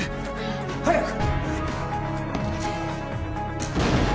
早く！